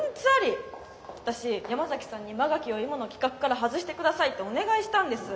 私山崎さんに馬垣を今の企画から外して下さいってお願いしたんです。